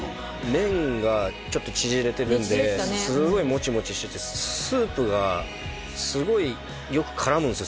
麺がちょっと縮れてるんですごいモチモチしててスープがすごいよく絡むんですよ